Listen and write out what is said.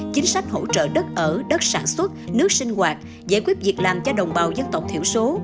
chính sách hỗ trợ đất ở đất sản xuất nước sinh hoạt giải quyết việc làm cho đồng bào dân tộc thiểu số